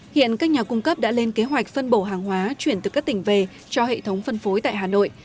hiện các nhà cung cấp đã lên kế hoạch phân bổ hàng hóa chuyển từ các tỉnh về cho hệ thống phân phối tại hà nội